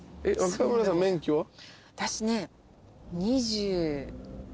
私ね。